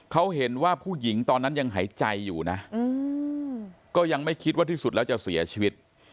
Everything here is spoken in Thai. เขาเห็นว่าผู้หญิงตอนนั้นยังหายใจอยู่นะก็ยังไม่คิดว่าที่สุดแล้วจะเสียชีวิต